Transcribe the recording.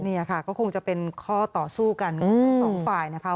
นี่ค่ะก็คงจะเป็นข้อต่อสู้กันของทั้งสองฝ่ายนะคะ